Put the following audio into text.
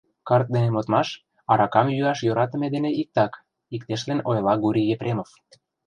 — Карт дене модмаш аракам йӱаш йӧратыме дене иктак, — иктешлен ойла Гурий Епремов.